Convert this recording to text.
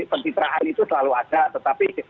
pencitraan itu selalu ada tetapi